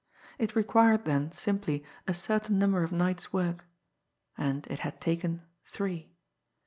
It required, then, simply a certain number of nights' work and it had taken three.